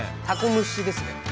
たこ蒸しですね。